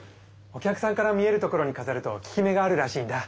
お客さんから見えるところにかざると効き目があるらしいんだ。